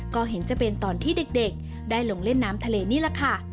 ก็เห็นจะเป็นตอนที่เด็กได้ลงเล่นน้ำทะเลนี่แหละค่ะ